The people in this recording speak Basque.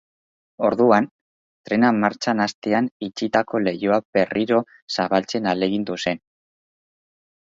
Orduan, trena martxan hastean itxitako leihoa berriro zabaltzen ahalegindu zen.